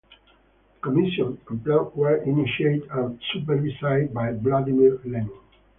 The Commission and Plan were initiated and supervised by Vladimir Lenin.